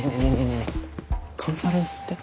えカンファレンスって？